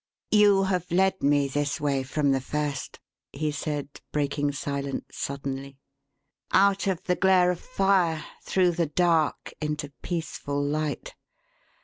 "You have led me this way from the first," he said, breaking silence suddenly. "Out of the glare of fire, through the dark, into peaceful light.